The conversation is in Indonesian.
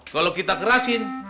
kalau kita kerasin